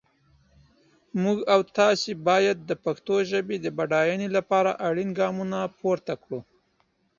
موږ او تاسي باید د پښتو ژپې د بډاینې لپاره اړین ګامونه پورته کړو.